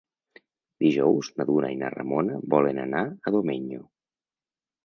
Dijous na Duna i na Ramona volen anar a Domenyo.